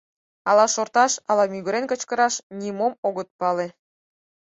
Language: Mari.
Ала шорташ, ала мӱгырен кычкыраш — нимом огыт пале.